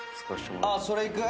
それいく？